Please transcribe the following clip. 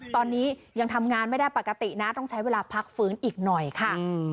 ตอนนี้ยังทำงานไม่ได้ปกตินะต้องใช้เวลาพักฟื้นอีกหน่อยค่ะ